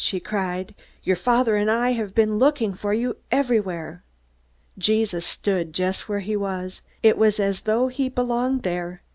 she cried. "Your father and I have been looking for you everywhere." Jesus stood just where he was. It was as though he belonged there.